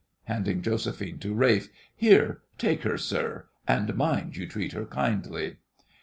(Handing JOSEPHINE to RALPH.) Here — take her, sir, and mind you treat her kindly.